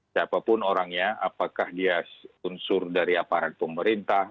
siapapun orangnya apakah dia unsur dari aparat pemerintah